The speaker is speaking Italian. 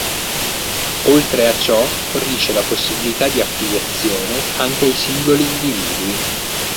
Oltre a ciò fornisce la possibilità di affiliazione anche ai singoli individui.